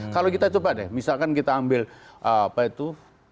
kalau kita coba deh misalkan kita ambil apa itu